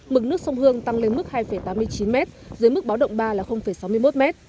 mực nước sông hương tăng lên mức hai tám mươi chín m dưới mức báo động ba là sáu mươi một m